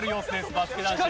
バスケ男子。